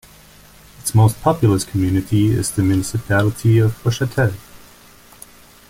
Its most populous community is the municipality of Boischatel.